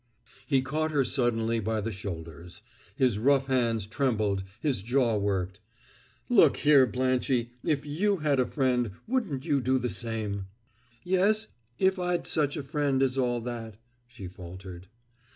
He caught her suddenly by the shoulders. His rough hands trembled; his jaw worked. "Look here, Blanchie! If you had a friend, wouldn't you do the same?" "Yes, if I'd such a friend as all that," she faltered.